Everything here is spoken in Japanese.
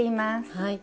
はい。